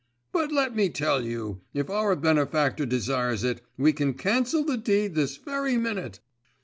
'But let me tell you, if our benefactor desires it, we can cancel the deed this very minute!